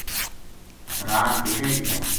رات ڈیرے رہیا